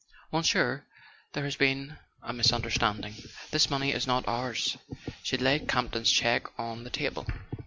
"Monsieur, there has been a misunderstanding; this money is not ours." She laid Campton's cheque on the table.